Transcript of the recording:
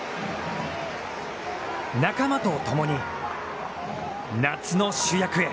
仲間と共に夏の主役へ！